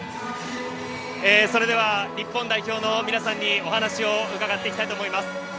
それでは日本代表の皆さんにお話を伺っていきたいと思います。